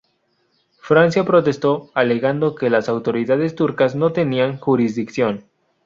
Francia protestó, alegando que las autoridades turcas no tenían jurisdicción.